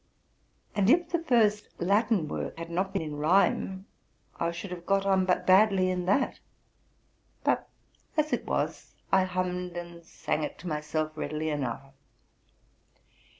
And if the first Latin work had not been in rhyme, I should have got on but badly in that; but, as it 28 TRUTH AND FICTION was, I hummed and sang it to myself readily enough.